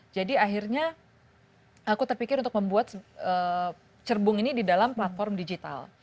jadi akhirnya aku terpikir untuk membuat cerbung ini di dalam platform digital